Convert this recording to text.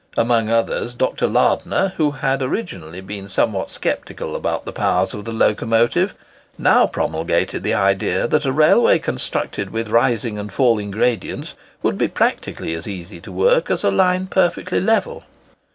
Among others, Dr. Lardner, who had originally been somewhat sceptical about the powers of the locomotive, now promulgated the idea that a railway constructed with rising and falling gradients would be practically as easy to work as a line perfectly level.